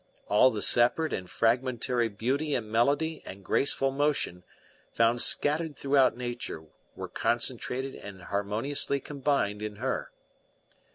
All the separate and fragmentary beauty and melody and graceful motion found scattered throughout nature were concentrated and harmoniously combined in her.